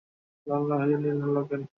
সবাই এর ভাগ নিয়েছে।